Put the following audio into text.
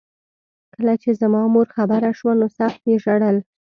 کله چې زما مور خبره شوه نو سخت یې ژړل